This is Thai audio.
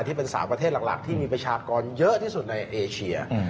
ที่เป็น๓ประเทศหลักที่มีประชากรเยอะที่สุดในเอเชีย